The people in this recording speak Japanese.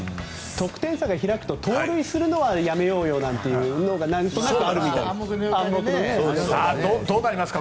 得点差が開くと盗塁するのはやめようよなんていうのは何となくあるみたいです。